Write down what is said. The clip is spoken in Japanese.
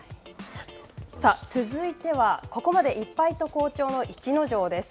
続いてはここまで１敗と好調の逸ノ城です。